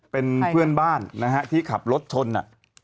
เป็นเพื่อนบ้านนะฮะที่ขับรถชน